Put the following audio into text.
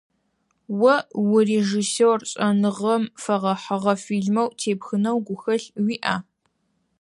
О урежиссер, шӏэныгъэм фэгъэхьыгъэ фильмэ тепхынэу гухэлъ уиӏа?